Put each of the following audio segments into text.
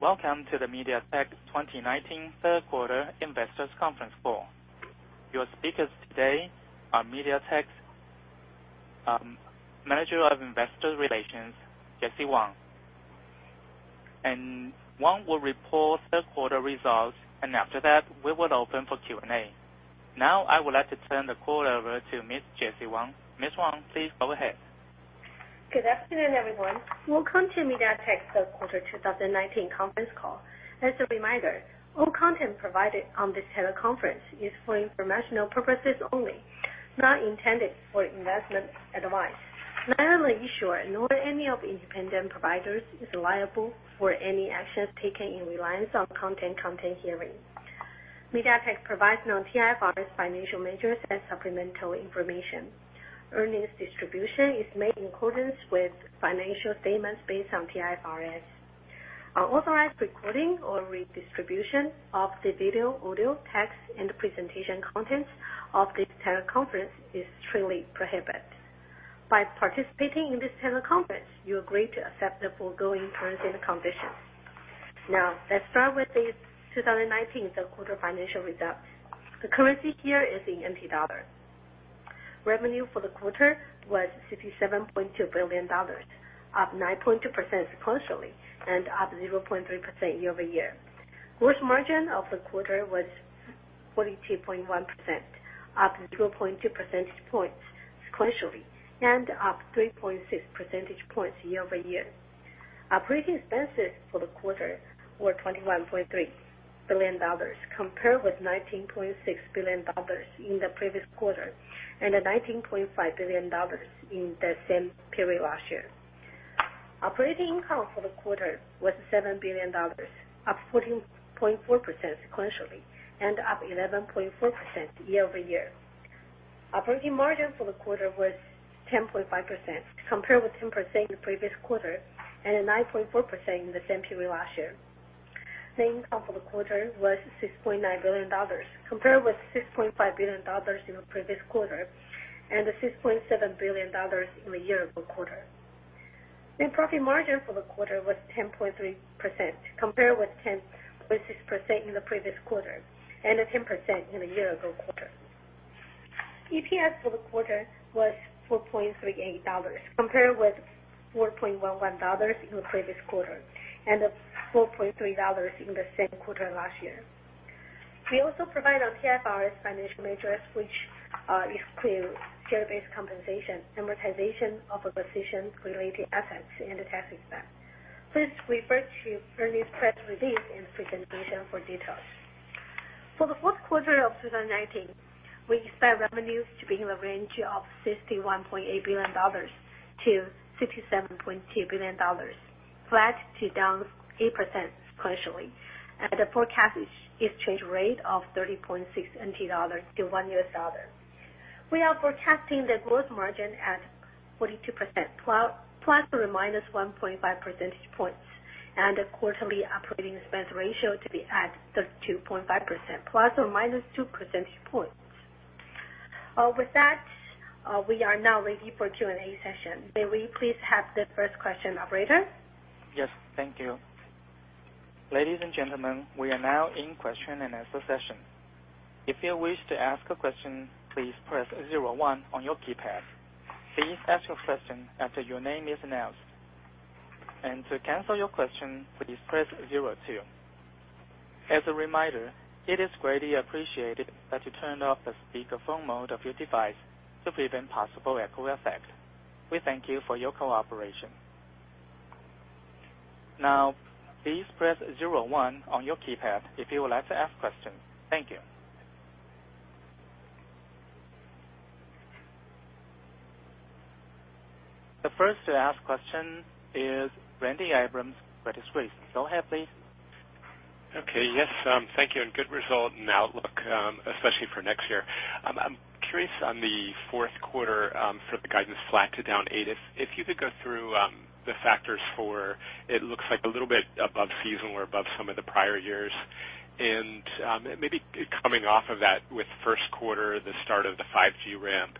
Welcome to the MediaTek 2019 third quarter investors conference call. Your speakers today are MediaTek's Manager of Investor Relations, Jessie Wang. Wang will report third quarter results, and after that, we will open for Q&A. Now, I would like to turn the call over to Miss Jessie Wang. Miss Wang, please go ahead. Good afternoon, everyone. Welcome to MediaTek's third quarter 2019 conference call. As a reminder, all content provided on this teleconference is for informational purposes only, not intended for investment advice. Neither the issuer nor any of the independent providers is liable for any actions taken in reliance on content currently hearing. MediaTek provides non-T-IFRS financial measures and supplemental information. Earnings distribution is made in accordance with financial statements based on T-IFRS. Unauthorized recording or redistribution of the video, audio, text, and presentation contents of this teleconference is strictly prohibited. By participating in this teleconference, you agree to accept the foregoing terms and conditions. Now, let's start with the 2019 third quarter financial results. The currency here is in NT dollar. Revenue for the quarter was 67.2 billion dollars, up 9.2% sequentially and up 0.3% year-over-year. Gross margin of the quarter was 42.1%, up 2.2 percentage points sequentially and up 3.6 percentage points year-over-year. Operating expenses for the quarter were 21.3 billion dollars, compared with 19.6 billion dollars in the previous quarter and 19.5 billion dollars in the same period last year. Operating income for the quarter was 7 billion dollars, up 14.4% sequentially and up 11.4% year-over-year. Operating margin for the quarter was 10.5%, compared with 10% in the previous quarter and 9.4% in the same period last year. Net income for the quarter was 6.9 billion dollars, compared with 6.5 billion dollars in the previous quarter and 6.7 billion dollars in the year ago quarter. Net profit margin for the quarter was 10.3%, compared with 10.6% in the previous quarter and 10% in the year ago quarter. EPS for the quarter was 4.38 dollars, compared with 4.11 dollars in the previous quarter and 4.3 dollars in the same quarter last year. We also provide our T-IFRS financial measures, which include share-based compensation, amortization of acquisition-related assets, and the tax effect. Please refer to earlier press release and presentation for details. For the fourth quarter of 2019, we expect revenues to be in the range of 61.8 billion dollars to 67.2 billion dollars, flat to down 8% sequentially, and the forecast exchange rate of 30.6 NT dollars to one US dollar. We are forecasting the gross margin at 42%, plus or minus 1.5 percentage points, and a quarterly operating expense ratio to be at 32.5%, plus or minus 2 percentage points. With that, we are now ready for Q&A session. May we please have the first question, operator? Yes. Thank you. Ladies and gentlemen, we are now in question and answer session. If you wish to ask a question, please press 01 on your keypad. Please ask your question after your name is announced. To cancel your question, please press 02. As a reminder, it is greatly appreciated that you turn off the speakerphone mode of your device to prevent possible echo effect. We thank you for your cooperation. Please press 01 on your keypad if you would like to ask questions. Thank you. The first to ask question is Randy Abrams, Credit Suisse. Go ahead, please. Okay. Yes. Thank you. Good result and outlook, especially for next year. I'm curious on the fourth quarter, for the guidance flat to down eight, if you could go through the factors for it looks like a little bit above season or above some of the prior years. Maybe coming off of that with first quarter, the start of the 5G ramp,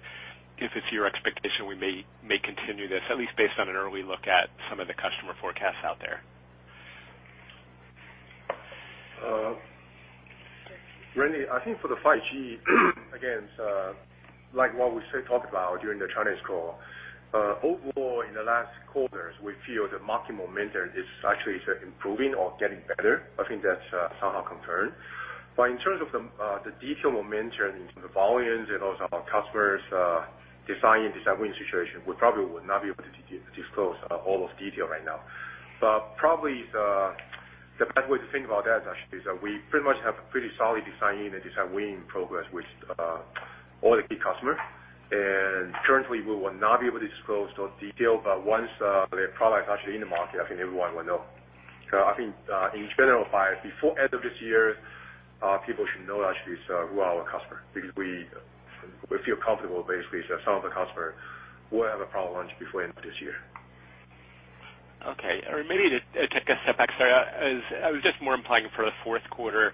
if it's your expectation we may continue this, at least based on an early look at some of the customer forecasts out there. Randy, I think for the 5G, again, like what we still talked about during the Chinese call, overall in the last quarters, we feel the market momentum is actually improving or getting better. I think that's somehow concerned. In terms of the detail momentum in terms of volumes and also our customers' design win situation, we probably would not be able to disclose all of detail right now. Probably, the best way to think about that actually is that we pretty much have a pretty solid design in and design win progress with all the key customer. Currently, we will not be able to disclose those detail, but once their product actually in the market, I think everyone will know. I think, in general, by before end of this year, people should know actually who are our customer, because we feel comfortable basically some of the customer will have a product launch before end of this year. Okay. Maybe to take a step back. Sorry. I was just more implying for the fourth quarter.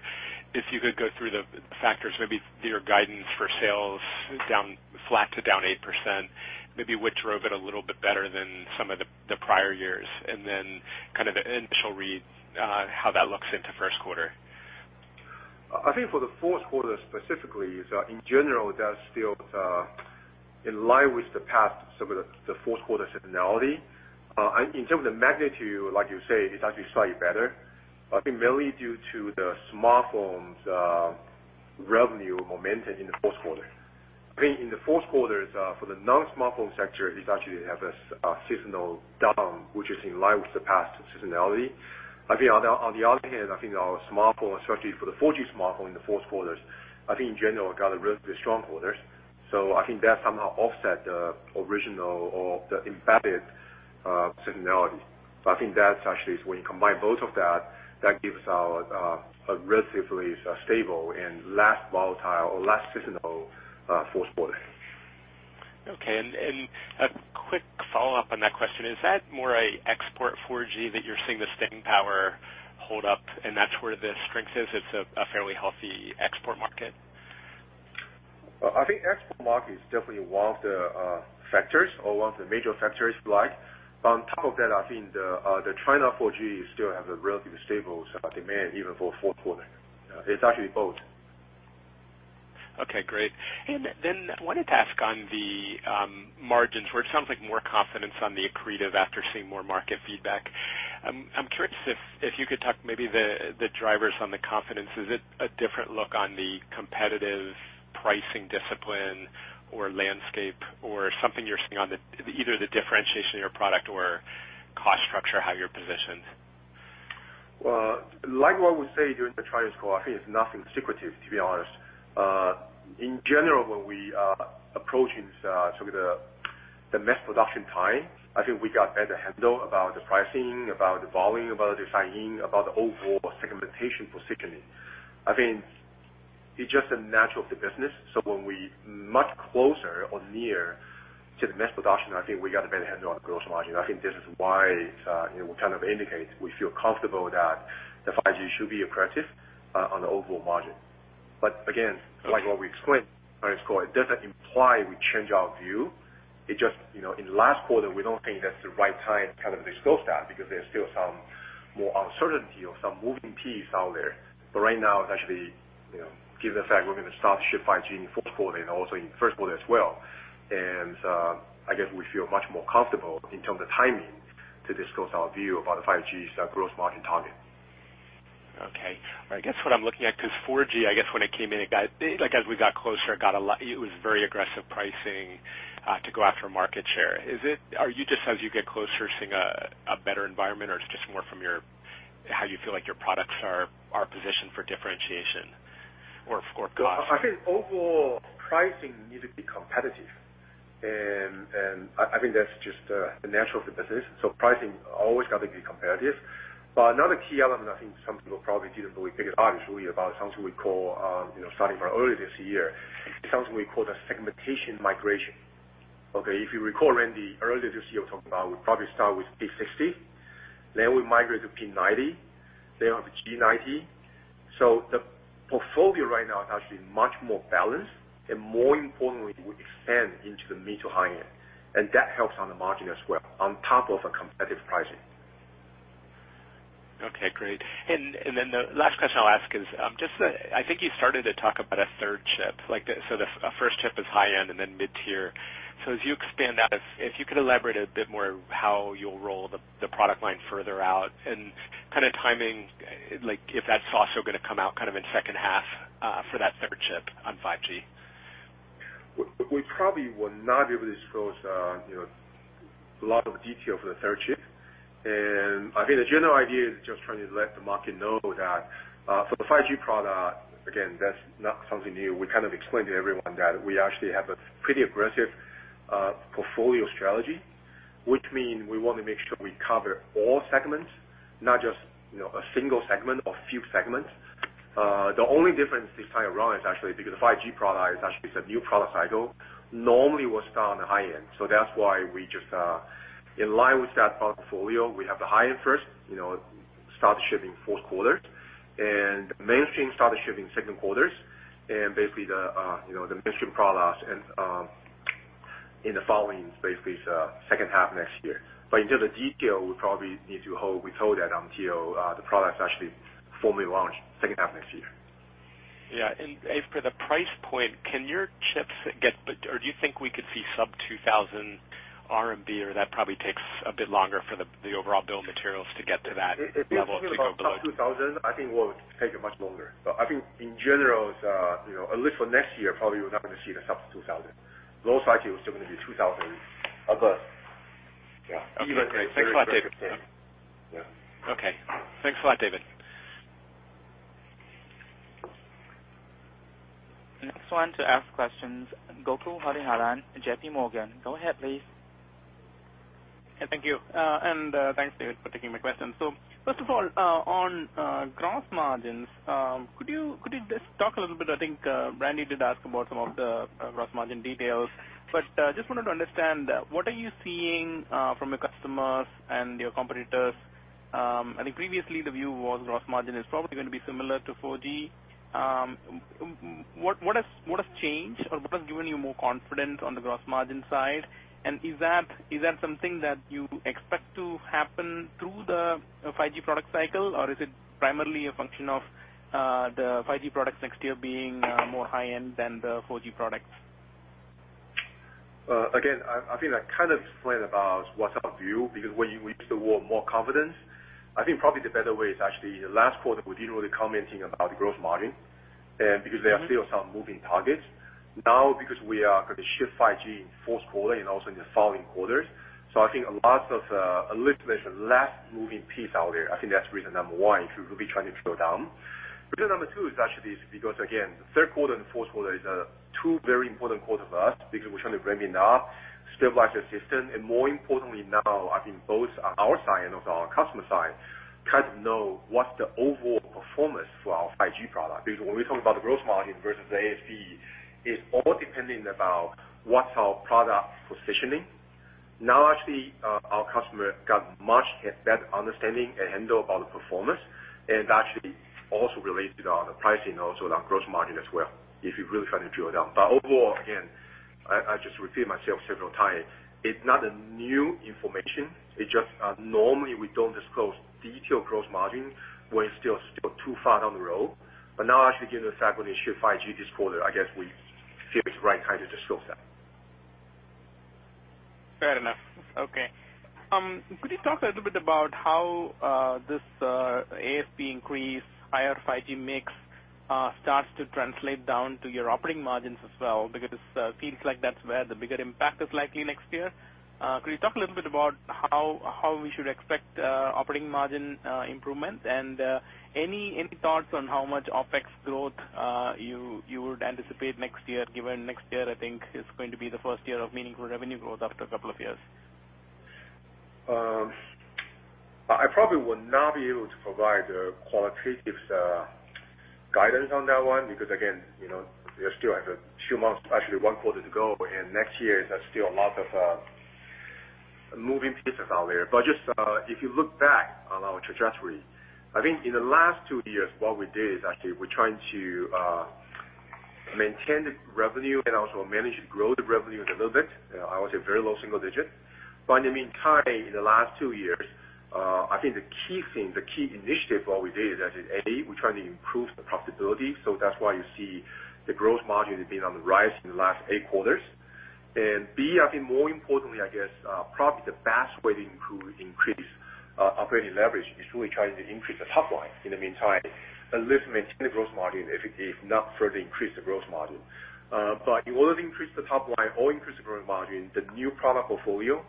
If you could go through the factors, maybe your guidance for sales flat to down 8%, maybe what drove it a little bit better than some of the prior years, and then initial read, how that looks into first quarter. I think for the fourth quarter specifically, in general, that's still in line with the past, some of the fourth quarter seasonality. In terms of the magnitude, like you say, it's actually slightly better, I think mainly due to the smartphones revenue momentum in the fourth quarter. I think in the fourth quarter, for the non-smartphone sector, it actually has a seasonal down, which is in line with the past seasonality. I think on the other hand, I think our smartphone, especially for the 4G smartphone in the fourth quarter, I think in general, got a relatively strong quarters. I think that somehow offset the original or the embedded seasonality. I think that actually, when you combine both of that gives out a relatively stable and less volatile or less seasonal fourth quarter. Okay. A quick follow-up on that question. Is that more a export 4G that you're seeing the staying power hold up and that's where the strength is? It's a fairly healthy export market? I think export market is definitely one of the factors or one of the major factors at play. On top of that, I think the China 4G still have a relatively stable demand, even for fourth quarter. It is actually both. Okay, great. I wanted to ask on the margins where it sounds like more confidence on the accretive after seeing more market feedback. I'm curious if you could talk maybe the drivers on the confidence. Is it a different look on the competitive pricing discipline or landscape or something you're seeing on either the differentiation in your product or cost structure, how you're positioned? Well, like what we say during the Chinese call, I think it's nothing secretive, to be honest. In general, when we are approaching the mass production time, I think we got better handle about the pricing, about the volume, about the timing, about the overall segmentation positioning. I think it's just natural of the business. When we much closer or near to the mass production, I think we got a better handle on gross margin. I think this is why we indicate we feel comfortable that the 5G should be accretive, on the overall margin. Again, like what we explained during this call, it doesn't imply we change our view. It just in the last quarter, we don't think that's the right time to disclose that because there's still some more uncertainty or some moving piece out there. Right now, it actually, given the fact we're going to start to ship 5G in fourth quarter and also in first quarter as well, I guess we feel much more comfortable in terms of timing to disclose our view about the 5G's growth margin target. Okay. I guess what I'm looking at, because 4G, I guess when it came in, as we got closer, it was very aggressive pricing, to go after market share. As you get closer, seeing a better environment, or it's just more from how you feel like your products are positioned for differentiation or cost? I think overall, pricing need to be competitive, and I think that's just the natural of the business. Pricing always got to be competitive. Another key element, I think some people probably didn't really think it, obviously, about something we call, starting from earlier this year, something we call the segmentation migration. Okay, if you recall, Randy, earlier this year, talking about we probably start with P60, then we migrate to P90, then on to G90. The portfolio right now is actually much more balanced, and more importantly, we expand into the mid to high-end, and that helps on the margin as well, on top of a competitive pricing. Okay, great. The last question I'll ask is, I think you started to talk about a third chip. The first chip is high-end and then mid-tier. As you expand that, if you could elaborate a bit more how you'll roll the product line further out and timing, if that's also going to come out in second half, for that third chip on 5G? We probably will not be able to disclose a lot of detail for the third chip. I think the general idea is just trying to let the market know that, for the 5G product, again, that's not something new. We explained to everyone that we actually have a pretty aggressive portfolio strategy, which mean we want to make sure we cover all segments, not just a single segment or few segments. The only difference this time around is actually because the 5G product is actually a new product cycle. Normally, we'll start on the high-end. That's why we just, in line with that portfolio, we have the high-end first, start shipping fourth quarter, and mainstream start shipping second quarters, and basically, the mainstream products in the following, basically, second half next year. In terms of detail, we probably need to hold that until the product is actually formally launched second half next year. Yeah. For the price point, can your chips get, or do you think we could see sub 2,000 RMB or that probably takes a bit longer for the overall bill of materials to get to that level to go below? If it's below TWD 2,000, I think will take much longer. I think in general, at least for next year, probably we're not going to see the sub 2,000. Low 5G is still going to be 2,000 above. Okay. Thanks a lot, David. Yeah. Okay. Thanks a lot, David. Next one to ask questions, Gokul Hariharan, J.P. Morgan. Go ahead, please. Yeah, thank you. Thanks, David, for taking my question. First of all, on gross margins, could you just talk a little bit, I think, Randy did ask about some of the gross margin details, but, just wanted to understand, what are you seeing, from your customers and your competitors. I think previously the view was gross margin is probably going to be similar to 4G. What has changed, or what has given you more confidence on the gross margin side? Is that something that you expect to happen through the 5G product cycle, or is it primarily a function of the 5G products next year being more high-end than the 4G products? I think I kind of explained about what's our view, because when you use the word more confidence, I think probably the better way is actually the last quarter we didn't really commenting about the gross margin, and because there are still some moving targets. Because we are going to shift 5G in fourth quarter and also in the following quarters. I think a little bit less moving piece out there. I think that's reason number 1, if we're really trying to drill down. Reason number 2 is actually because, again, the third quarter and fourth quarter is two very important quarters to us because we're trying to ramp enough, stabilize the system, and more importantly now, I think both our side and also our customer side, know what's the overall performance for our 5G product. When we talk about the gross margin versus the ASP, it's all depending about what's our product positioning. Now, actually, our customer got much better understanding and handle about the performance, and actually also related on the pricing and also the gross margin as well, if you're really trying to drill down. Overall, again, I just repeat myself several times. It's not a new information. It's just normally we don't disclose detailed gross margin when it's still too far down the road. Now actually, given the fact when they ship 5G this quarter, I guess we feel it's right, time to disclose that. Fair enough. Okay. Could you talk a little bit about how this ASP increase, higher 5G mix, starts to translate down to your operating margins as well? Because it feels like that's where the bigger impact is likely next year. Could you talk a little bit about how we should expect operating margin improvements? Any thoughts on how much OpEx growth you would anticipate next year, given next year, I think, is going to be the first year of meaningful revenue growth after a couple of years? I probably would not be able to provide a qualitative guidance on that one, because again, there's still like a few months, actually one quarter to go, and next year, there's still a lot of moving pieces out there. If you look back on our trajectory, I think in the last two years, what we did is actually we're trying to maintain the revenue and also manage to grow the revenue a little bit. I would say very low single digits. In the meantime, in the last two years, I think the key thing, the key initiative of what we did is that in A, we're trying to improve the profitability. That's why you see the growth margin has been on the rise in the last eight quarters. B, I think more importantly, I guess, probably the best way to increase operating leverage is really trying to increase the top line in the meantime, at least maintain the growth margin, if not further increase the growth margin. In order to increase the top line or increase the growth margin, the new product portfolio,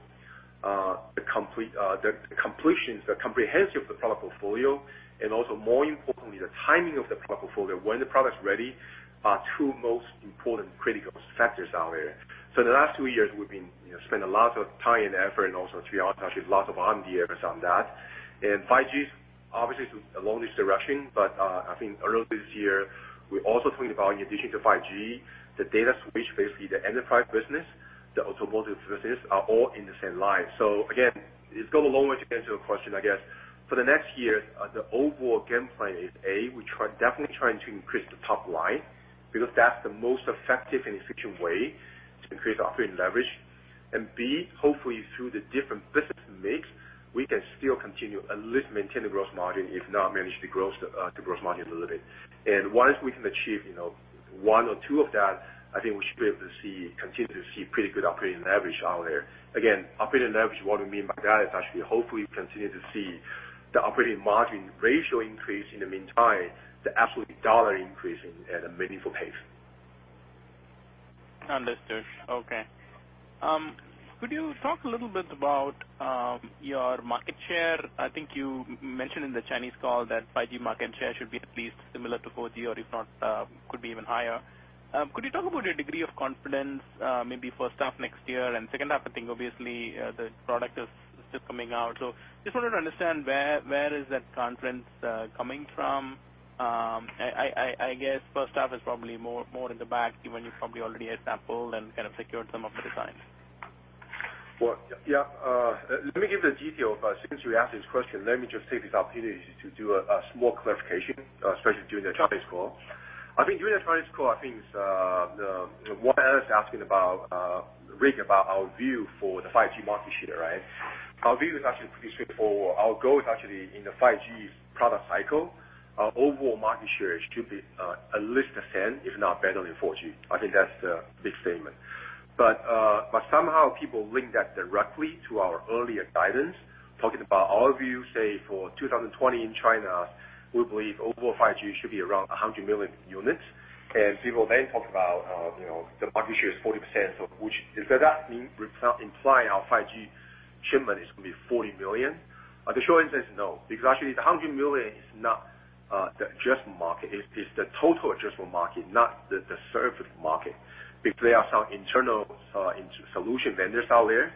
the completions, the comprehensive product portfolio, and also more importantly, the timing of the product portfolio, when the product's ready, are two most important critical factors out there. In the last two years, we've been spending lots of time and effort, and also through actually lots of R&D efforts on that. 5G is obviously along this direction, but I think earlier this year, we also talked about in addition to 5G, the data switch, basically the enterprise business, the automotive business, are all in the same line. Again, it's got a long way to answer your question, I guess. For the next year, the overall game plan is A, we're definitely trying to increase the top line, because that's the most effective and efficient way to increase operating leverage. B, hopefully through the different business mix, we can still continue at least maintain the gross margin, if not manage the gross margin a little bit. Once we can achieve one or two of that, I think we should be able to continue to see pretty good operating leverage out there. Again, operating leverage, what we mean by that is actually hopefully continue to see the operating margin ratio increase in the meantime, the absolute dollar increase at a meaningful pace. Understood. Okay. Could you talk a little bit about your market share? I think you mentioned in the Chinese call that 5G market share should be at least similar to 4G, or if not, could be even higher. Could you talk about your degree of confidence, maybe first half next year and second half, I think obviously, the product is still coming out. Just wanted to understand where is that confidence coming from. I guess first half is probably more in the back, given you probably already had sampled and kind of secured some of the designs. Well, yeah. Let me give the detail. Since you asked this question, let me just take this opportunity to do a small clarification, especially during the Chinese call. During the Chinese call, I think one analyst asking about, Rick, about our view for the 5G market share, right? Our view is actually pretty straightforward. Our goal is actually in the 5G product cycle, our overall market share should be at least the same, if not better than 4G. I think that's the big statement. Somehow people link that directly to our earlier guidance, talking about our view, say, for 2020 in China, we believe overall 5G should be around 100 million units. People then talk about the market share is 40%, so does that imply our 5G shipment is going to be 40 million? The short answer is no, because actually the 100 million is not the addressable market. It's the total addressable market, not the surface market, because there are some internal solution vendors out there.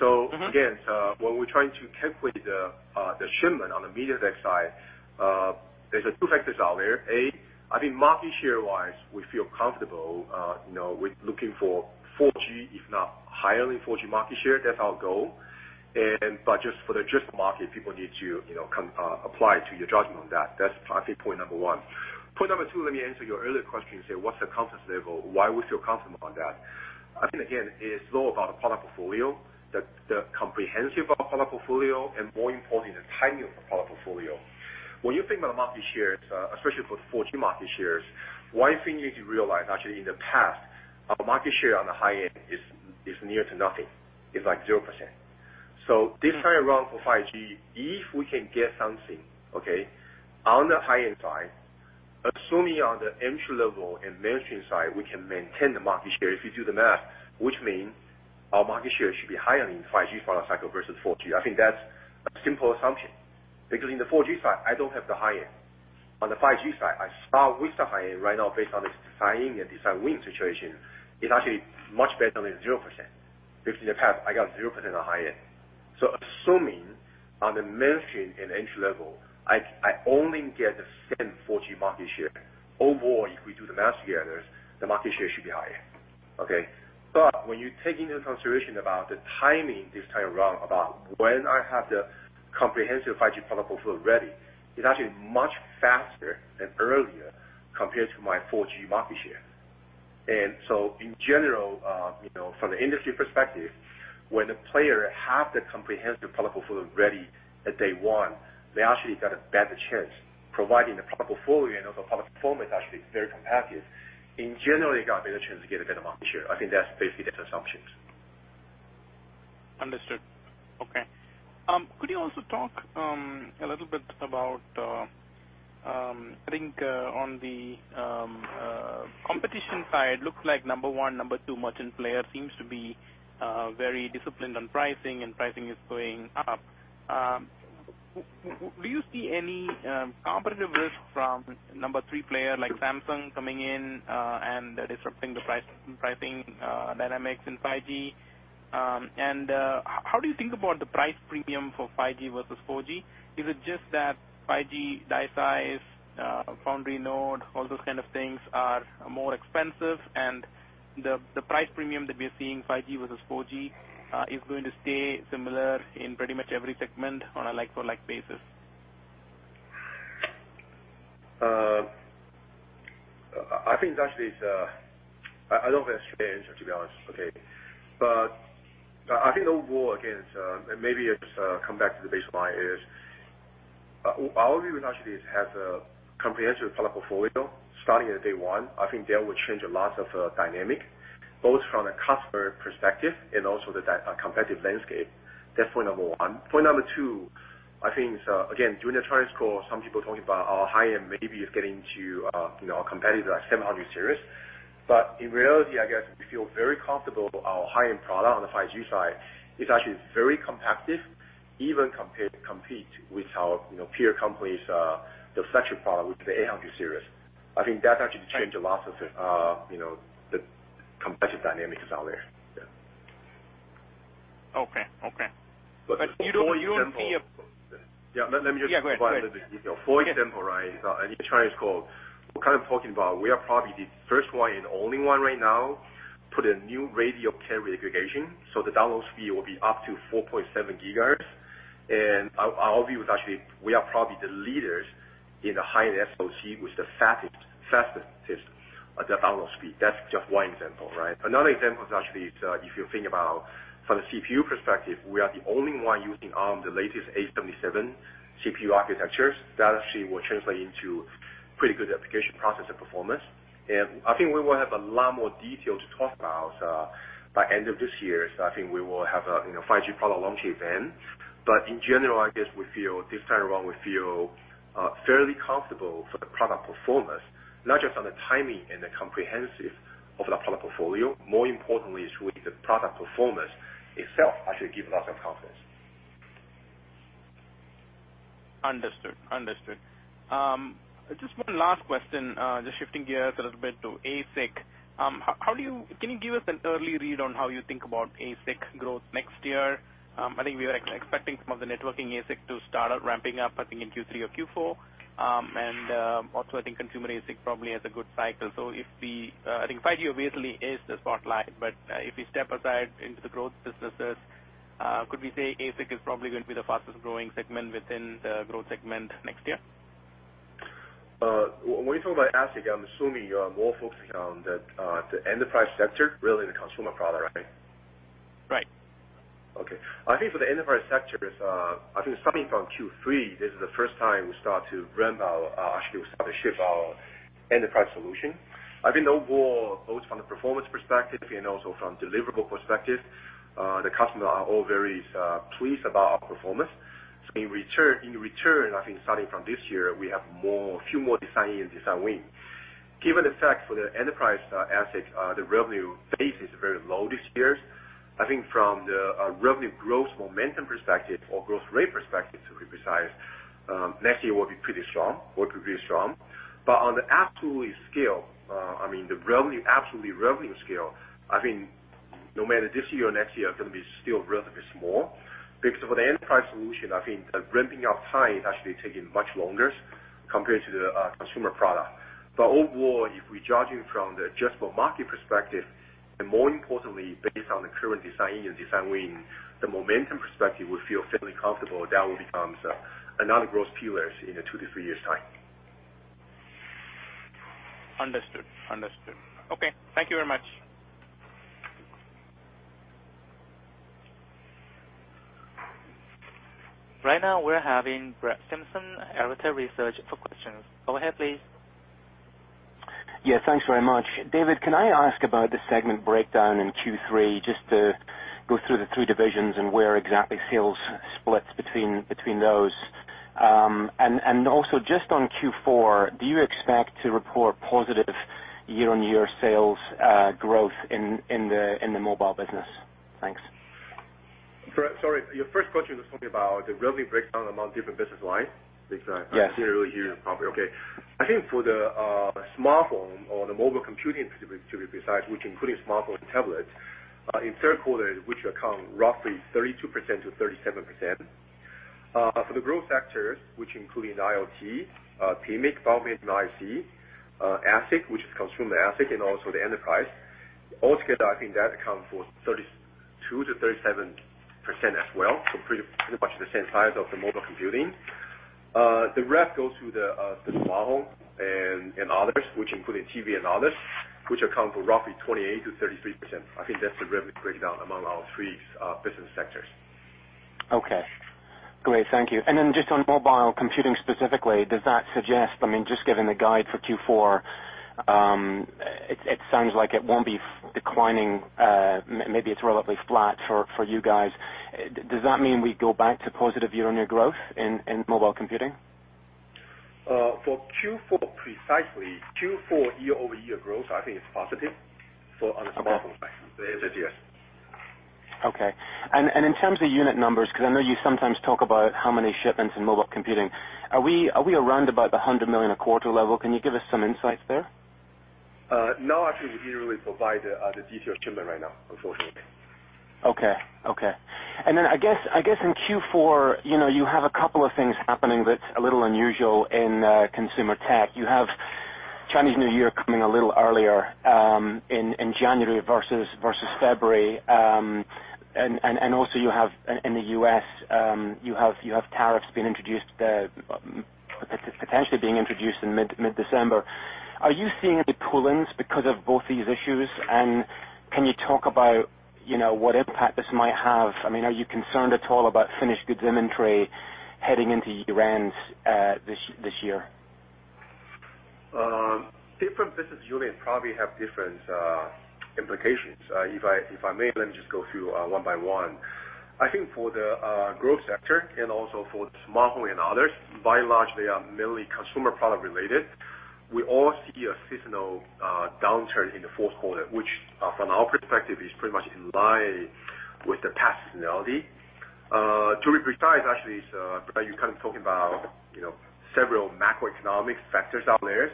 We're trying to calculate the shipment on the MediaTek side. There's two factors out there. A, I think market share-wise, we feel comfortable with looking for 4G, if not higher than 4G market share, that's our goal. For the drift market, people need to apply to your judgment on that. That's, I think, point number 1. Point number 2, let me answer your earlier question. You say, what's the confidence level? Why we feel confident about that? I think, again, it's all about the product portfolio, the comprehensive product portfolio, and more importantly, the timing of the product portfolio. When you think about market shares, especially for the 4G market shares, one thing you need to realize, actually, in the past, our market share on the high end is near to nothing, is like 0%. This time around for 5G, if we can get something, okay, on the high-end side, assuming on the entry level and mainstream side, we can maintain the market share. If you do the math, which means our market share should be higher in 5G product cycle versus 4G. I think that's a simple assumption. In the 4G side, I don't have the high-end. On the 5G side, I start with the high-end right now based on this design win situation, it's actually much better than 0%, because in the past, I got 0% on high-end. Assuming on the mainstream and entry level, I only get the same 4G market share. Overall, if we do the math together, the market share should be higher. Okay? When you take into consideration about the timing this time around, about when I have the comprehensive 5G product portfolio ready, it's actually much faster than earlier compared to my 4G market share. In general, from the industry perspective, when the player have the comprehensive product portfolio ready at day one, they actually got a better chance providing the product portfolio and also product performance is actually very competitive. In general, you got better chance to get a better market share. I think that's basically the assumptions. Understood. Okay. Could you also talk a little bit about, I think, on the competition side, looks like number 1, number 2 merchant player seems to be very disciplined on pricing. Pricing is going up. Do you see any competitive risk from number 3 player like Samsung coming in and disrupting the pricing dynamics in 5G? How do you think about the price premium for 5G versus 4G? Is it just that 5G die size, foundry node, all those kind of things are more expensive and the price premium that we are seeing 5G versus 4G, is going to stay similar in pretty much every segment on a like for like basis? I think actually, I don't have a straight answer, to be honest, okay. I think overall, again, maybe it's come back to the baseline is, our view is actually is have the comprehensive product portfolio starting at day one. I think that would change a lot of dynamic, both from the customer perspective and also the competitive landscape. That's point number one. Point number two, I think, again, during the earnings call, some people talking about our high-end maybe is getting to our competitor, like 700 series. In reality, I guess, we feel very comfortable our high-end product on the 5G side is actually very competitive, even compete with our peer companies, the flagship product, which is the 800 series. I think that actually change a lot of the competitive dynamics out there. Yeah. Okay. you don't see Yeah, let me just- Yeah, go ahead. For example, right, in the earnings call, we're talking about we are probably the first one and only one right now, put a new radio carrier aggregation, so the download speed will be up to 4.7 Gbps. Our view is actually, we are probably the leaders in the high-end SoC with the fastest download speed. That's just one example, right? Another example is actually, if you think about from the CPU perspective, we are the only one using Arm, the latest A77 CPU architectures. That actually will translate into pretty good application processor performance. I think we will have a lot more detail to talk about, by end of this year. I think we will have a 5G product launch event. In general, I guess we feel this time around, we feel fairly comfortable for the product performance, not just on the timing and the comprehensive of the product portfolio. More importantly is with the product performance itself, actually give a lot of confidence. Understood. Just one last question, just shifting gears a little bit to ASIC. Can you give us an early read on how you think about ASIC growth next year? I think we were expecting some of the networking ASIC to start ramping up, I think in Q3 or Q4. Also, I think consumer ASIC probably has a good cycle. I think 5G obviously is the spotlight, but if we step aside into the growth businesses, could we say ASIC is probably going to be the fastest growing segment within the growth segment next year? When you talk about ASIC, I'm assuming you are more focusing on the enterprise sector rather than the consumer product, right? Right. Okay. I think for the enterprise sectors, I think starting from Q3, this is the first time we start to ramp our, actually we start to ship our enterprise solution. I think overall, both from the performance perspective and also from deliverable perspective, the customer are all very pleased about our performance. In return, I think starting from this year, we have few more design-in and design wins. Given the fact for the enterprise assets, the revenue base is very low this year. I think from the revenue growth momentum perspective or growth rate perspective, to be precise, next year will be pretty strong. On the absolute scale, I mean, the absolute revenue scale, I think no matter this year or next year, are going to be still relatively small. For the end price solution, I think the ramping up time is actually taking much longer compared to the consumer product. Overall, if we're judging from the adjustable market perspective, and more importantly, based on the current design in design win, the momentum perspective, we feel fairly comfortable that will become another growth pillar in a two to three years' time. Understood. Okay. Thank you very much. Right now, we're having Brett Simpson, Arete Research, for questions. Go ahead, please. Yeah. Thanks very much. David, can I ask about the segment breakdown in Q3, just to go through the three divisions and where exactly sales splits between those. Just on Q4, do you expect to report positive year-on-year sales growth in the mobile business? Thanks. Sorry. Your first question was something about the revenue breakdown among different business lines? Yes. Because I didn't really hear you properly. I think for the smartphone or the mobile computing specifically side, which including smartphone and tablets, in third quarter, which account roughly 32%-37%. For the growth sectors, which include IoT, PMIC, power management IC, ASIC, which is consumer ASIC, and also the enterprise. All together, I think that accounts for 32%-37% as well. Pretty much the same size of the mobile computing. The rest goes to the smartphone and others, which include TV and others, which account for roughly 28%-33%. I think that's the revenue breakdown among our three business sectors. Okay. Great. Thank you. Just on mobile computing specifically, does that suggest, just given the guide for Q4, it sounds like it won't be declining, maybe it's relatively flat for you guys. Does that mean we go back to positive year-on-year growth in mobile computing? For Q4 precisely, Q4 year-over-year growth, I think it's positive. On a smartphone side, the answer is yes. Okay. In terms of unit numbers, because I know you sometimes talk about how many shipments in mobile computing. Are we around about the 100 million a quarter level? Can you give us some insights there? No, actually, we didn't really provide the detailed shipment right now, unfortunately. Okay. Then I guess in Q4, you have a couple of things happening that's a little unusual in consumer tech. You have Chinese New Year coming a little earlier, in January versus February. Also, you have, in the U.S., you have tariffs potentially being introduced in mid-December. Are you seeing any pull-ins because of both these issues? Can you talk about what impact this might have? Are you concerned at all about finished goods inventory heading into year-end, this year? Different business unit probably have different implications. If I may, let me just go through one by one. I think for the growth sector and also for smartphone and others, by and large, they are mainly consumer product related. We all see a seasonal downturn in the fourth quarter, which from our perspective, is pretty much in line with the past seasonality. To be precise, actually, you talking about several macroeconomic factors out there.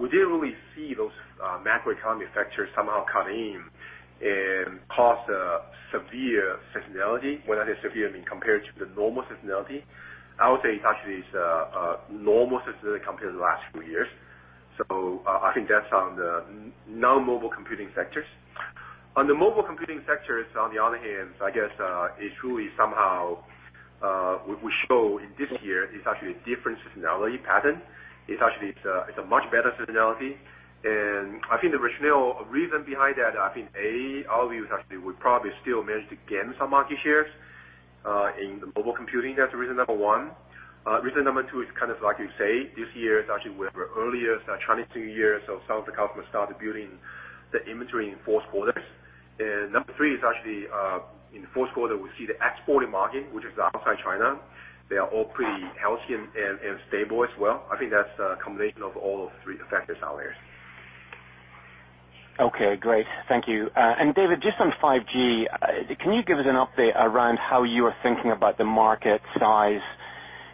We didn't really see those macroeconomic factors somehow cut in and cause a severe seasonality. When I say severe, I mean, compared to the normal seasonality. I would say it actually is a normal seasonality compared to the last few years. I think that's on the non-mobile computing sectors. On the mobile computing sectors, on the other hand, I guess, it truly somehow will show in this year is actually a different seasonality pattern. It's actually a much better seasonality. I think the reason behind that, A, our view is actually we probably still managed to gain some market shares in the mobile computing. That's reason number one. Reason number two is like you say, this year is actually with our earliest Chinese New Year, some of the customers started building the inventory in fourth quarter. Number three is actually, in the fourth quarter, we see the exporting market, which is outside China. They are all pretty healthy and stable as well. I think that's a combination of all those three factors out there. Okay, great. Thank you. David, just on 5G, can you give us an update around how you are thinking about the market size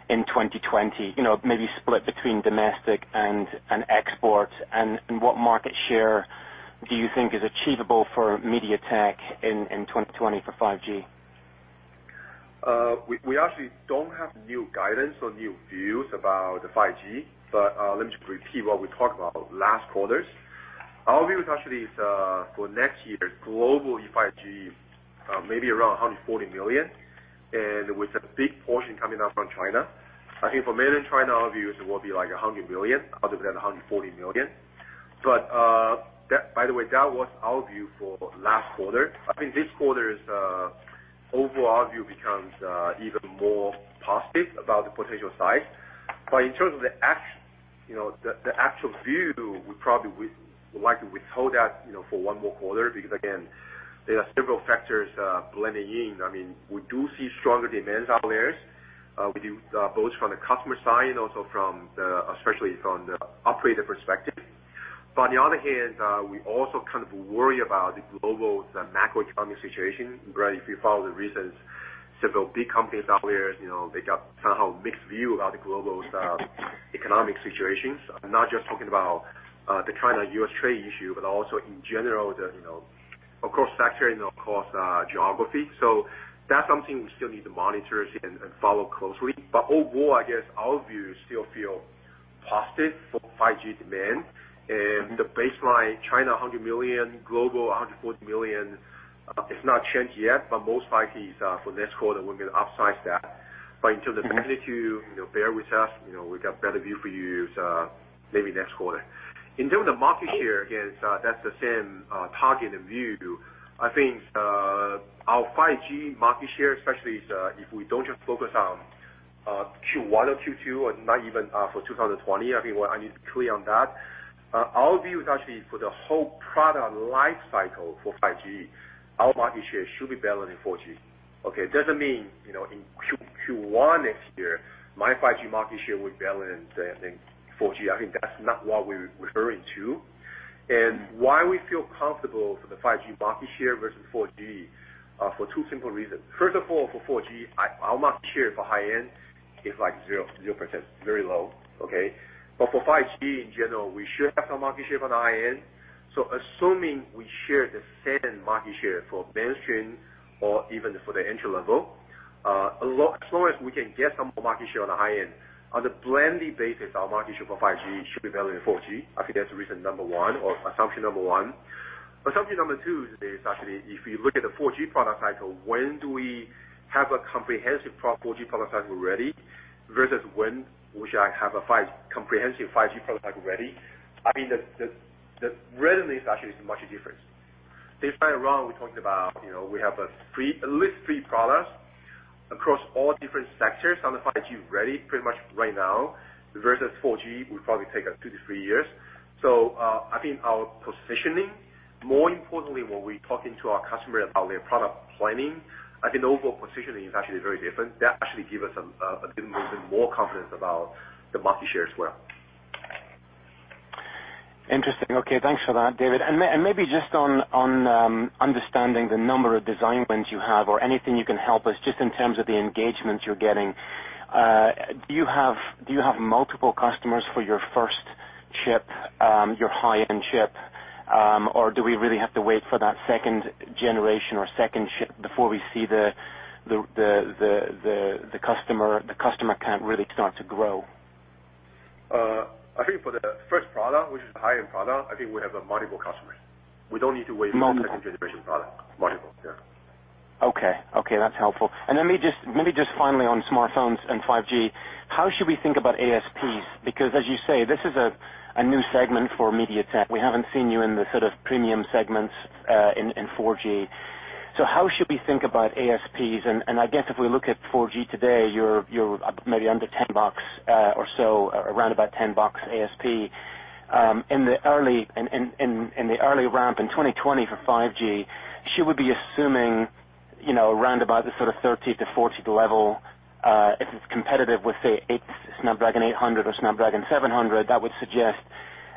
in 2020? Maybe split between domestic and export. What market share do you think is achievable for MediaTek in 2020 for 5G? We actually don't have new guidance or new views about the 5G. Let me just repeat what we talked about last quarters. Our view is actually, for next year, global 5G, maybe around 140 million, and with a big portion coming out from China. I think for mainland China, our view is it will be like 100 million out of that 140 million. By the way, that was our view for last quarter. I think this quarter's overall view becomes even more positive about the potential size. In terms of the actual view, we probably would like to withhold that for one more quarter, because again, there are several factors blending in. We do see stronger demands out there. Both from the customer side and also especially from the operator perspective. On the other hand, we also worry about the global macroeconomic situation. Brett, if you follow the recent, several big companies out there, they got somehow mixed view about the global economic situations. Not just talking about the China-U.S. trade issue, but also in general, across sector and across geography. That's something we still need to monitor and follow closely. Overall, I guess our view is still feel positive for 5G demand and the baseline China 100 million, global 140 million, it's not changed yet, but most likely, for next quarter, we're going to upsize that. Until then, bear with us. We got better view for you maybe next quarter. In terms of market share, again, that's the same targeted view. I think our 5G market share, especially if we don't just focus on Q1 or Q2, or not even for 2020, I need to be clear on that. Our view is actually for the whole product life cycle for 5G, our market share should be better than 4G. Okay. It doesn't mean, in Q1 next year, my 5G market share will be better than 4G. I think that's not what we're referring to. Why we feel comfortable for the 5G market share versus 4G, for two simple reasons. First of all, for 4G, our market share for high-end is 0%, very low. Okay. For 5G, in general, we should have some market share for the high-end, so assuming we share the same market share for mainstream or even for the entry level, as long as we can get some more market share on the high-end, on a blended basis, our market share for 5G should be better than 4G. I think that's reason number one or assumption number one. Assumption number 2 is actually, if you look at the 4G product cycle, when do we have a comprehensive 4G product cycle ready versus when we shall have a comprehensive 5G product ready? The readiness actually is much difference. This time around, we talked about, we have at least three products across all different sectors on the 5G ready pretty much right now, versus 4G, will probably take us two to three years. I think our positioning, more importantly, when we talking to our customer about their product planning, I think overall positioning is actually very different. That actually give us a little bit more confidence about the market share as well. Interesting. Okay, thanks for that, David. Maybe just on understanding the number of design wins you have or anything you can help us, just in terms of the engagement you're getting. Do you have multiple customers for your first chip, your high-end chip? Or do we really have to wait for that second generation or second chip before we see the customer count really start to grow? I think for the first product, which is the high-end product, I think we have multiple customers. We don't need to wait for the second generation product. Multiple. Multiple, yeah. Okay. That's helpful. Then maybe just finally on smartphones and 5G, how should we think about ASPs? Because as you say, this is a new segment for MediaTek. We haven't seen you in the premium segments in 4G. How should we think about ASPs? I guess if we look at 4G today, you're maybe under $10 or so, around about $10 ASP. In the early ramp in 2020 for 5G, should we be assuming around about the $30-$40 level, if it's competitive with, say, Snapdragon 800 or Snapdragon 700? That would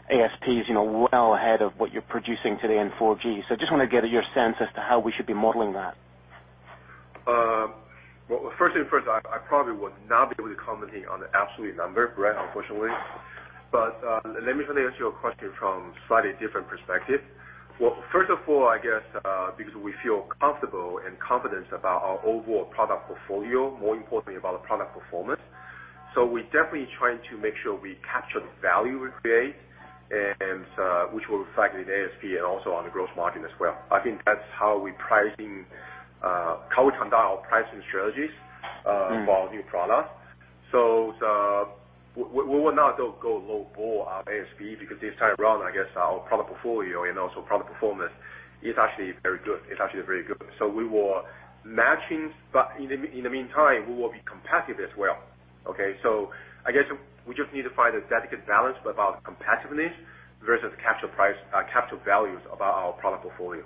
suggest ASPs well ahead of what you're producing today in 4G. I just want to get your sense as to how we should be modeling that. First thing first, I probably would not be able to comment on the absolute number, right. Unfortunately. Let me try to answer your question from slightly different perspective. First of all, I guess, because we feel comfortable and confident about our overall product portfolio, more importantly about the product performance. We're definitely trying to make sure we capture the value we create, and which will reflect in ASP and also on the gross margin as well. I think that's how we top down our pricing strategies for our new product. We will not go low ball on ASP because this time around, I guess our product portfolio and also product performance is actually very good. We will matching, but in the meantime, we will be competitive as well. Okay. I guess we just need to find a delicate balance about competitiveness versus capture values about our product portfolio.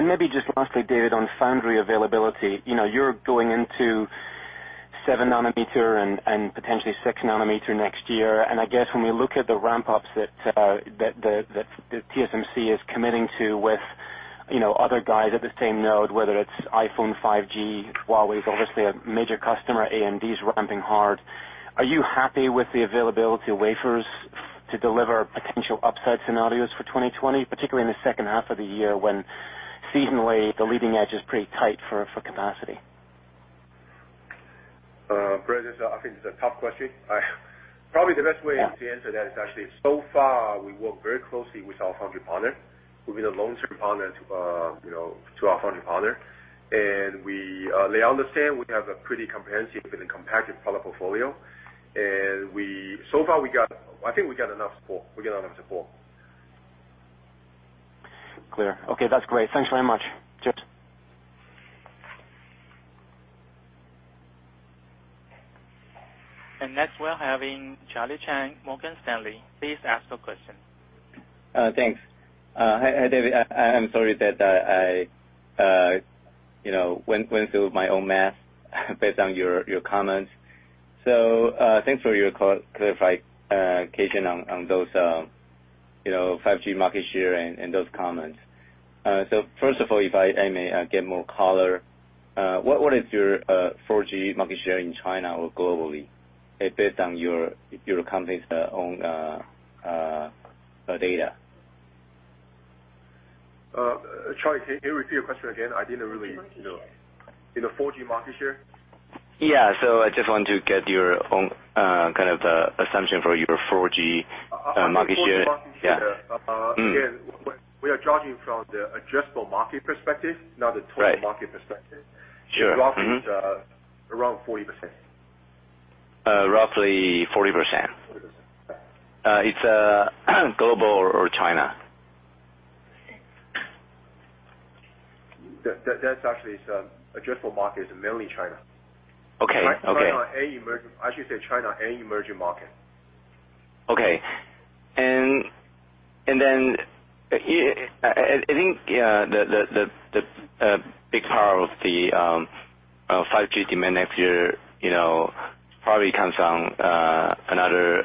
Maybe just lastly, David, on foundry availability. You're going into seven nanometer and potentially six nanometer next year, and I guess when we look at the ramp-ups that TSMC is committing to with other guys at the same node, whether it's iPhone 5G, Huawei is obviously a major customer, AMD's ramping hard. Are you happy with the availability of wafers to deliver potential upside scenarios for 2020, particularly in the second half of the year when seasonally, the leading edge is pretty tight for capacity? Brett, I think this is a tough question. Probably the best way to answer that is actually, so far, we work very closely with our foundry partner. We've been a long-term partner to our foundry partner. They understand we have a pretty comprehensive and competitive product portfolio. So far, I think we got enough support. Clear. Okay, that's great. Thanks very much. Cheers. Next, we're having Charlie Chan, Morgan Stanley. Please ask your question. Thanks. Hi, David. I'm sorry that I went through my own math based on your comments. Thanks for your clarification on those 5G market share and those comments. First of all, if I may get more color, what is your 4G market share in China or globally based on your company's own data? Charlie, can you repeat your question again? In the 4G market share? Yeah. I just want to get your own assumption for your 4G market share. 4G market share. Yeah. Again, we are judging from the adjustable market perspective, not the total- Right market perspective. Sure. It's roughly around 40%. Roughly 40%. 40%, yeah. It's global or China? That's actually, adjustable market is mainly China. Okay. Actually say China and emerging market. I think, the big part of the 5G demand next year probably comes from another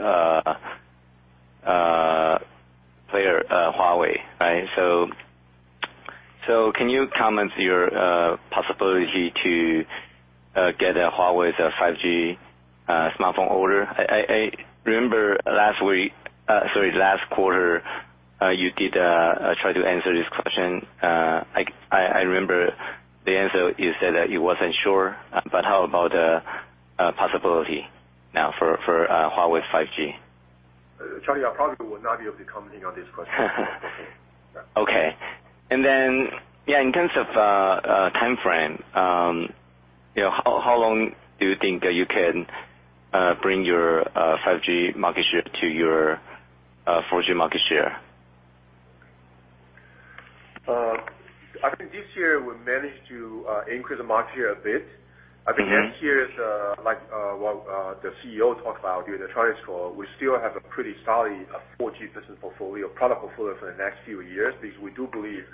player, Huawei. Can you comment your possibility to get Huawei's 5G smartphone order? I remember last quarter, you did try to answer this question. I remember the answer, you said that you weren't sure. How about the possibility now for Huawei 5G? Charlie, I probably would not be able to comment on this question. Okay. Yeah, in terms of timeframe, how long do you think that you can bring your 5G market share to your 4G market share? I think this year we'll manage to increase the market share a bit. I think next year, like what the CEO talked about during the Chinese call, we still have a pretty solid 4G business portfolio, product portfolio for the next few years because we do believe,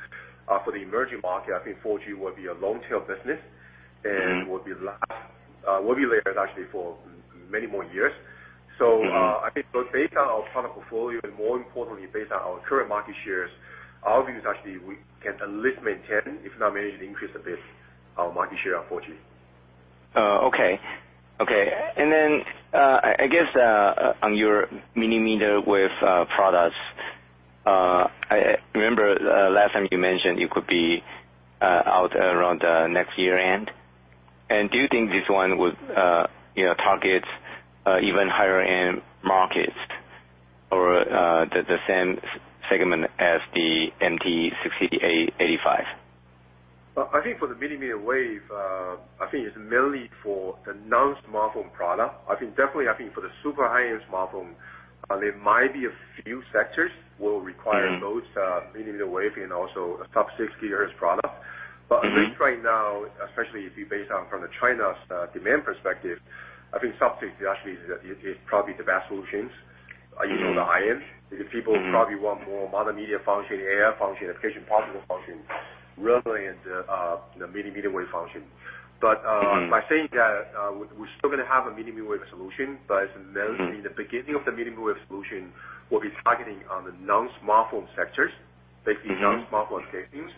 for the emerging market, I think 4G will be a long tail business and will be layered actually for many more years. I think based on our product portfolio and more importantly based on our current market shares, our view is actually we can at least maintain, if not manage to increase a bit our market share of 4G. Okay. Then, I guess, on your millimeter wave products, I remember last time you mentioned it could be out around next year end. Do you think this one would target even higher-end markets or the same segment as the MT6885? I think for the millimeter wave, I think it is mainly for the non-smartphone product. Definitely, I think for the super high-end smartphone, there might be a few sectors will require both millimeter wave and also a sub-6GHz product. At least right now, especially if you based on from the China's demand perspective, I think sub-6 actually is probably the best solutions in the high-end. People probably want more multimedia function, AI function, application possible function rather than the millimeter wave function. By saying that, we are still going to have a millimeter wave solution, but it is mainly the beginning of the millimeter wave solution will be targeting on the non-smartphone sectors, basically non-smartphone use cases,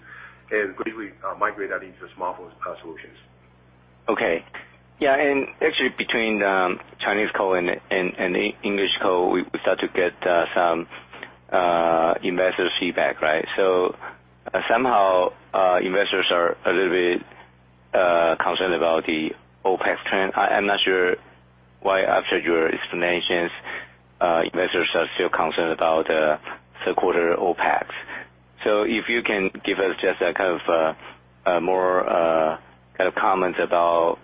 and gradually migrate that into the smartphone solutions. Okay. Yeah, actually between the Chinese call and the English call, we start to get some investor feedback. Somehow, investors are a little bit concerned about the OPEX trend. I'm not sure why after your explanations, investors are still concerned about third quarter OPEX. If you can give us just a more comments about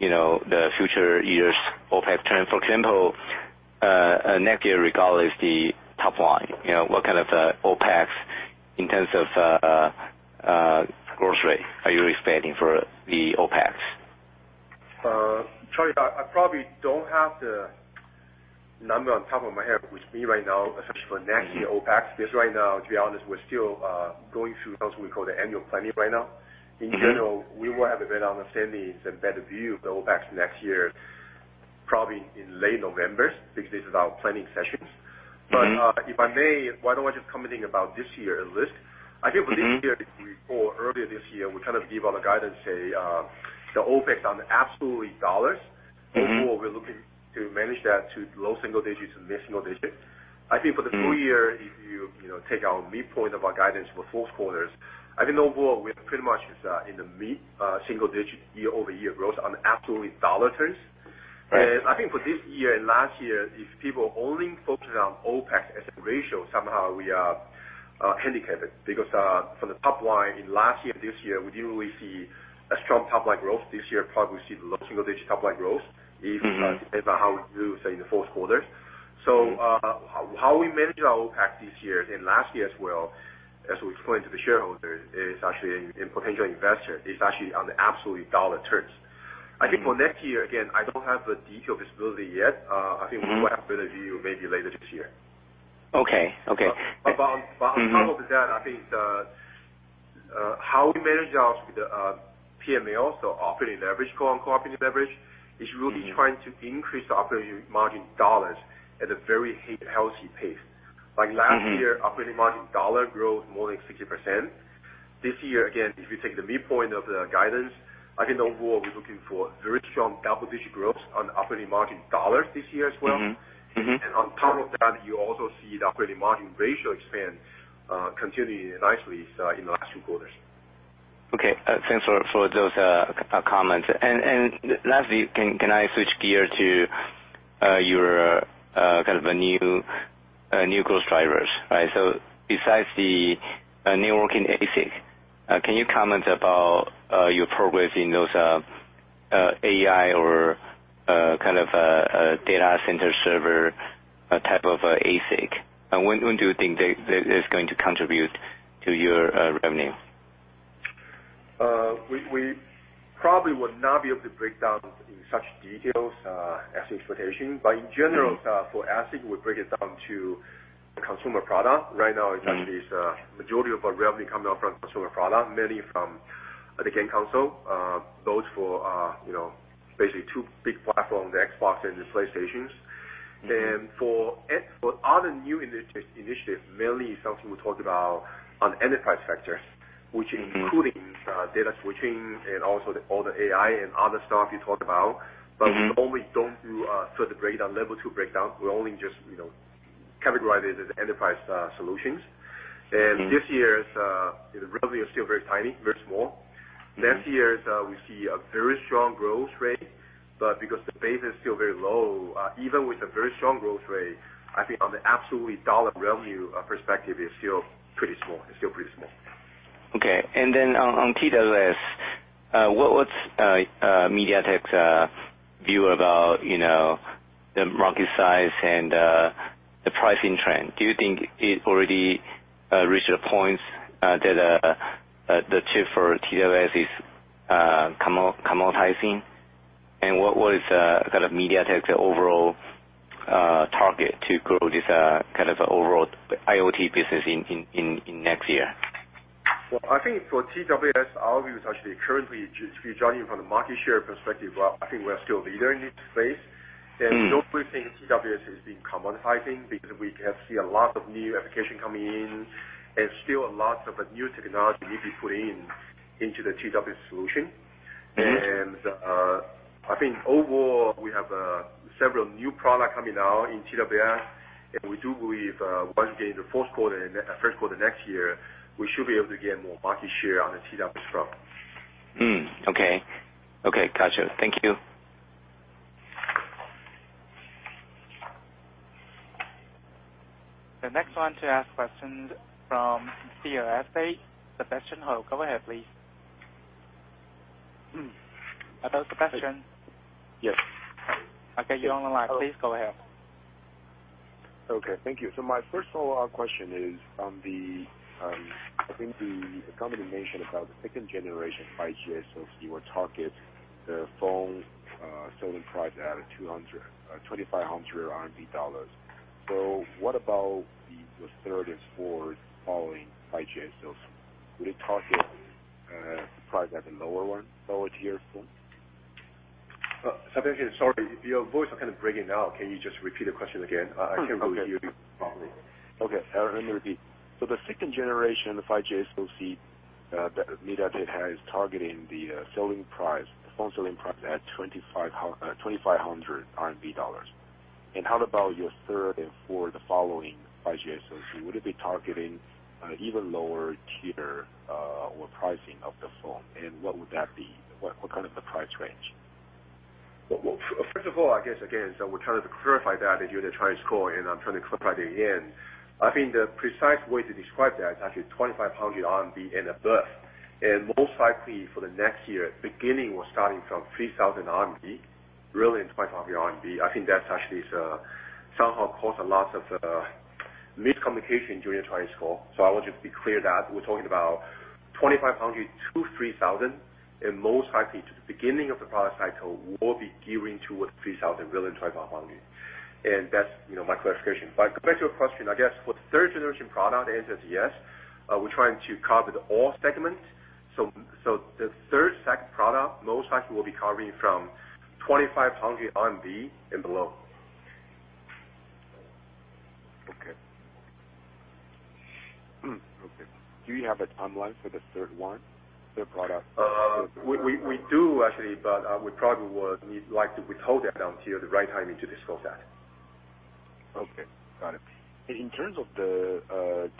the future years OPEX trend. For example, next year regardless the top line, what kind of OPEX in terms of growth rate are you expecting for the OPEX? Charlie, I probably don't have the number on top of my head with me right now, especially for next year OPEX, because right now, to be honest, we're still going through what we call the annual planning right now. If I may, why don't I just comment about this year at least. I think for this year, if you recall earlier this year, we kind of give out a guidance say, the OPEX on the absolute dollars, overall, we're looking to manage that to low single digits, mid-single digits. I think for the full year, if you take our midpoint of our guidance for fourth quarters, I think overall, we are pretty much in the mid-single digit year-over-year growth on absolute dollar terms. I think for this year and last year, if people only focused on OPEX as a ratio, somehow we are handicapped because, from the top line in last year, this year, we didn't really see a strong top-line growth. This year probably we see low single-digit top-line growth depending on how we do, say, in the fourth quarter. How we manage our OPEX this year and last year as well, as we explained to the shareholders and potential investors, is actually on the absolute dollar terms. I think for next year, again, I don't have the detailed visibility yet. I think we will have a better view maybe later this year. Okay. On top of that, I think how we manage that with the P&L, so operating leverage, core operating leverage, is really trying to increase the operating margin dollars at a very healthy pace. Like last year, operating margin dollar growth more than 60%. This year, again, if you take the midpoint of the guidance, I think overall, we're looking for very strong double-digit growth on operating margin dollars this year as well. On top of that, you also see the operating margin ratio expand continually nicely in the last two quarters. Okay, thanks for those comments. Lastly, can I switch gear to your kind of new growth drivers? Besides the networking ASIC, can you comment about your progress in those AI or kind of data center server type of ASIC? When do you think that is going to contribute to your revenue? We probably would not be able to break down in such details as expectation. In general, for ASIC, we break it down to consumer product. Right now, actually, the majority of our revenue coming up from consumer product, mainly from the game console, both for basically two big platforms, the Xbox and the PlayStation. For other new initiatives, mainly something we talked about on enterprise sector, which including data switching and also all the AI and other stuff you talked about. We only don't do further breakdown, level 2 breakdown. We're only just categorizing as enterprise solutions. This year, the revenue is still very tiny, very small. Last year, we see a very strong growth rate, but because the base is still very low, even with a very strong growth rate, I think on the absolutely TWD revenue perspective, it's still pretty small. Okay. On TWS, what's MediaTek's view about the market size and the pricing trend? Do you think it already reached a point that the chip for TWS is commoditizing? What is kind of MediaTek's overall target to grow this kind of overall IoT business in next year? Well, I think for TWS, our view is actually currently, if you join in from the market share perspective, well, I think we are still a leader in this space. Don't really think TWS is being commoditizing because we can see a lot of new application coming in, and still a lot of new technology need to be put in into the TWS solution. I think overall, we have several new product coming out in TWS, and we do believe, once we get into fourth quarter and first quarter next year, we should be able to get more market share on the TWS front. Okay. Okay, gotcha. Thank you. The next one to ask question from CLSA, Sebastian Hou. Go ahead, please. Hello, Sebastian? Yes. Okay, you're on the line. Please go ahead. Okay, thank you. My first follow-up question is, I think the company mentioned about the second generation 5G SoC will target the phone selling price at CNY 2,500. What about the third and fourth following 5G SoCs? Will it target price at a lower one, lower tier phone? Sebastian, sorry, your voice is kind of breaking out. Can you just repeat the question again? I can't really hear you properly. Okay, let me repeat. The second-generation 5G SoC that MediaTek has targeting the selling price, phone selling price at 2,500. How about your third and fourth following 5G SoC? Would it be targeting even lower tier or pricing of the phone? What would that be? What kind of the price range? First of all, I guess again, we're trying to clarify that during the Chinese call, and I'm trying to clarify again. I think the precise way to describe that is actually 2,500 RMB and above. Most likely for the next year, beginning or starting from 3,000 RMB, really 2,500 RMB. I think that's actually somehow caused lots of miscommunication during the Chinese call. I want to be clear that we're talking about 2,500-3,000, and most likely to the beginning of the product cycle, we'll be gearing toward 3,000, really 2,500. That's my clarification. Going back to your question, I guess with third generation product, the answer is yes. We're trying to cover the all segments. The third set product, most likely will be covering from 2,500 and below. Okay. Do you have a timeline for the third one, third product? We do, actually, but we probably would like to withhold that until the right timing to disclose that. Okay, got it. In terms of the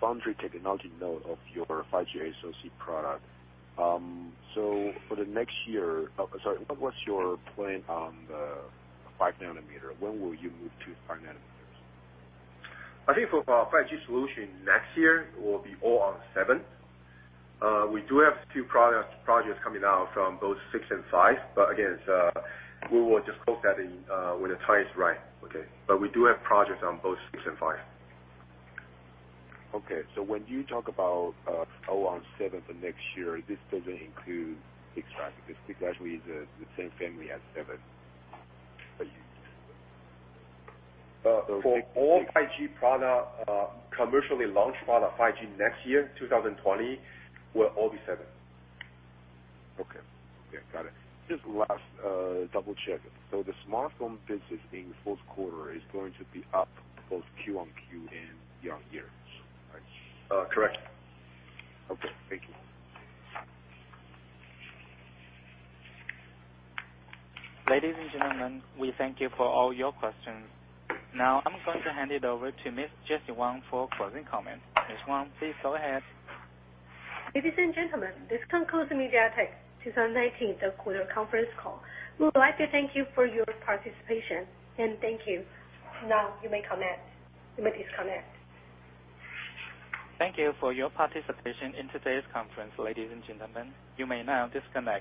foundry technology node of your 5G SoC product, what's your plan on the 5 nm? When will you move to 5 nm? I think for our 5G solution next year, it will be all on seven. We do have two projects coming out from both six and five. Again, we will just close that in when the time is right. Okay. We do have projects on both six and five. Okay. When you talk about all on seven for next year, this doesn't include six, right? Because six actually is the same family as seven. For all 5G product, commercially launched product 5G next year, 2020, will all be seven. Okay. Yeah, got it. Just last double check. The smartphone business in the fourth quarter is going to be up both Q on Q and year-on-year, correct? Correct. Okay, thank you. Ladies and gentlemen, we thank you for all your questions. I'm going to hand it over to Miss Jessie Wang for closing comments. Miss Wang, please go ahead. Ladies and gentlemen, this concludes MediaTek's 2019 third quarter conference call. We would like to thank you for your participation, and thank you. Now, you may disconnect. Thank you for your participation in today's conference, ladies and gentlemen. You may now disconnect.